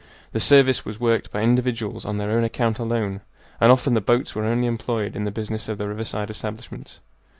The service was worked by individuals on their own account alone, and often the boats were only employed in the business of the riverside establishments.